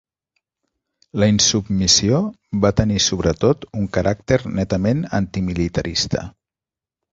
La insubmissió va tenir sobretot un caràcter netament antimilitarista.